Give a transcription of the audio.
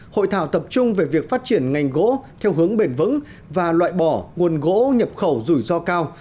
hội thảo tập trung về việc phát triển ngành gỗ theo hướng bền vững và loại bỏ nguồn gỗ nhập khẩu rủi ro cao